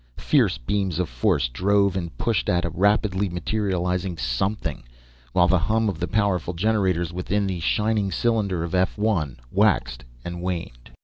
Fierce beams of force drove and pushed at a rapidly materializing something, while the hum of the powerful generators within the shining cylinder of F 1 waxed and waned.